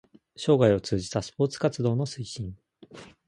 生涯を通じたスポーツ活動の推進